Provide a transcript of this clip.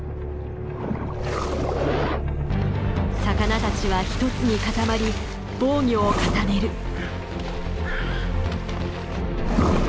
魚たちは一つに固まり防御を固める。